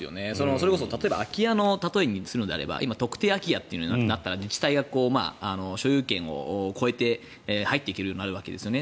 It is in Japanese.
それこそ例えば空き家を例えにするのであれば今、特定空き家といって自治体が所有権を超えて入っていけるようになるわけですよね。